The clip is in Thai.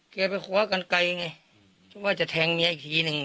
แกไปคว้ากันไกลไงคิดว่าจะแทงเมียอีกทีหนึ่ง